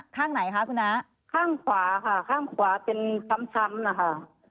ข้างไหนคะคุณน้าข้างขวาค่ะข้างขวาเป็นช้ำนะคะ